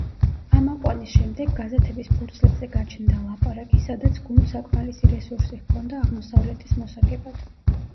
ამ აყვანის შემდეგ გაზეთების ფურცლებზე გაჩნდა ლაპარაკი, სადაც გუნდს საკმარისი რესურსი ჰქონდა აღმოსავლეთის მოსაგებად.